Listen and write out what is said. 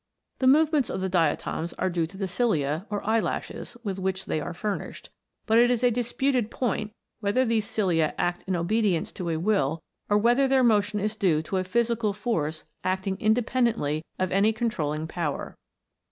The movements of the diatoms are due to the cilia, or eyelashes, with which they are furnished; but it is a disputed point whether these cilia act in obedience to a will, or whether their motion is due THE INVISIBLE WORLD. 221 to a physical force acting independently of any con trolling power.